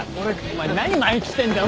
お前何前来てんだよ。